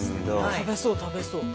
食べそう食べそう。